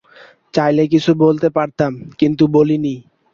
চাইলে কিছু বলতে পারতাম, কিন্তু বলিনি।